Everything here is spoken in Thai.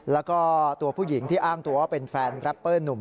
แล้วก็ตัวผู้หญิงที่อ้างตัวว่าเป็นแฟนแรปเปอร์หนุ่ม